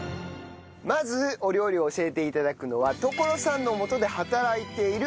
まずお料理を教えて頂くのは野老さんのもとで働いている政江さんです。